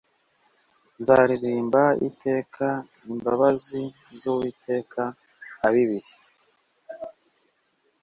Nzaririmba iteka imbabazi z Uwiteka Ab ibihe